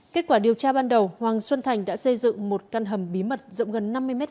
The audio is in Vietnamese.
kết quả điều tra ban đầu hoàng xuân thành đã xây dựng một căn hầm bí mật rộng gần năm mươi m hai